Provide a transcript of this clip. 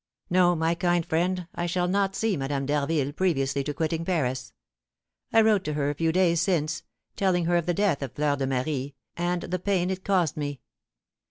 "No, my kind friend, I shall not see Madame d'Harville previously to quitting Paris. I wrote to her a few days since, telling her of the death of Fleur de Marie, and the pain it had caused me.